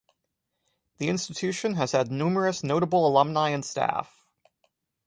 The institution has had numerous notable alumni and staff.